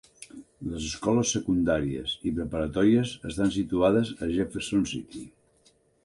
Les escoles secundàries i preparatòries estan situades a Jefferson City.